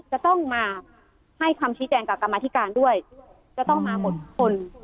จะต้องมาให้คำชี้แจงกับกรรมธิการด้วยจะต้องมาหมดทุกคน